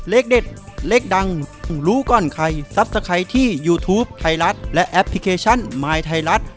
เลขเด็ดเลขดังรู้ก่อนใครทรัพย์จากใครที่ยูทูปไทยรัฐและแอปพลิเคชันมายไทยรัฐ